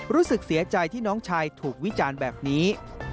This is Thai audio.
รู้สึกเสียใจที่น้องชายถูกวิจารณ์แบบนี้